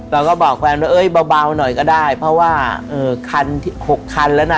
เราก็บอกแฟนว่าเอ้ยเบาหน่อยก็ได้เพราะว่าคัน๖คันแล้วนะ